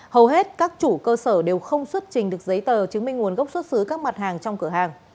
hầu hết các chủ cơ sở đều không xuất trình được giấy tờ chứng minh nguồn gốc xuất xứ các mặt hàng trong cửa hàng